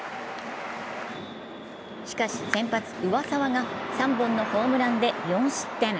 しかし先発・上沢が３本のホームランで４失点。